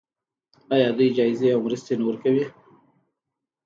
آیا دوی جایزې او مرستې نه ورکوي؟